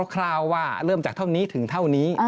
คราวว่าเริ่มจากเท่านี้ถึงเท่านี้